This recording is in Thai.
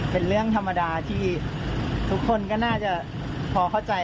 เป็นเรื่องธรรมดาที่ทุกคนก็น่าจะพอเข้าใจ